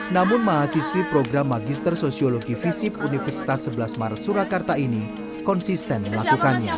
namun mahasiswi program magister sosiologi visip universitas sebelas maret surakarta ini konsisten melakukannya